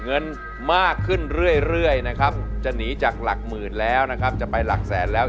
เงินมากขึ้นเรื่อยนะครับจะหนีจากหลักหมื่นแล้วนะครับจะไปหลักแสนแล้ว